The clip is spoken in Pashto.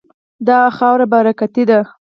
دا خاوره برکتي ده.